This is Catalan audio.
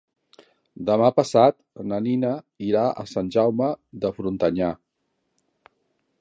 Demà passat na Nina irà a Sant Jaume de Frontanyà.